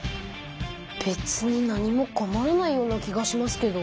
べつに何も困らないような気がしますけど。